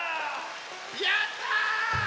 やった！